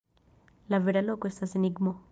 La vera loko estas enigmo.